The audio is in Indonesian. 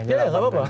iya ya gak apa apa